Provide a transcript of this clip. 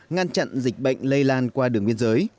ngăn chặn dịch bệnh lây lan qua đường biên giới